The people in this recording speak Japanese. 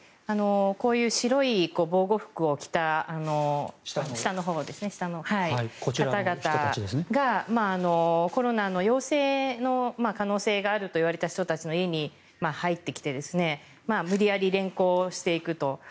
こういう白い防護服を着た方々がコロナの陽性の可能性があるといわれた人たちの家に入ってきて無理やり連行していくと。